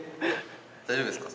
⁉大丈夫ですか？